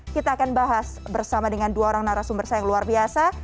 kita akan bahas bersama dengan dua orang narasumber saya yang luar biasa